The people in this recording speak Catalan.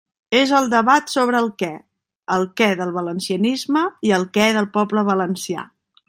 És el debat sobre el «què», el què del valencianisme i el què del poble valencià.